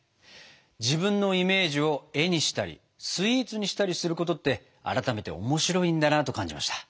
自分のイメージを絵にしたりスイーツにしたりすることって改めておもしろいんだなと感じました。